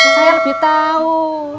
saya lebih tau